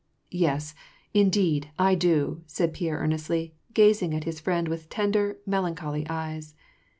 "Yes, indeed, I do," said Pierre earnestly, gazing at his friend with tender, melancholy eyes.